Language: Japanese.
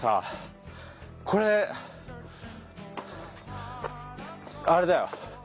これあれだよ。